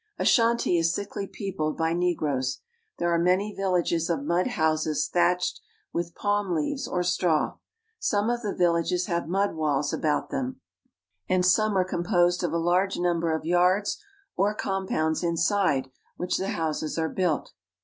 Ashanti is thickly peojjled by negroes. There are I many villages of mud houses thatched with palm leaves I ^or straw. Some of the villages have mud walls about p them, and some are composed of a large number of i yards or compounds inside which the houses are built.